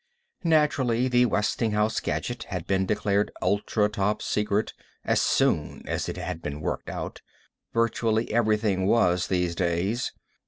Naturally, the Westinghouse gadget had been declared Ultra Top Secret as soon as it had been worked out. Virtually everything was, these days.